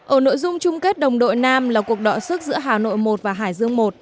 ở nội dung chung kết đồng đội nam là cuộc đọa sức giữa hà nội một và hải dương một